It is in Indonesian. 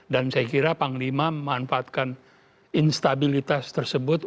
dan saya kira panglima memanfaatkan instabilitas tersebut